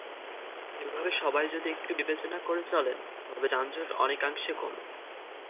এভাবে সবাই যদি একটু বিবেচনা করে চলেন, তবে যানজট অনেকাংশে কমে।